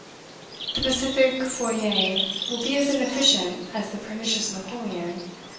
The pacific Fourier will be as inefficient as the pernicious Napoleon.